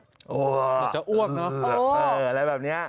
หนักจะอ้วกอะไรแบบนี้